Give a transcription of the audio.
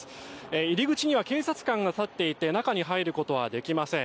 入り口には警察官が立っていて中に入ることはできません。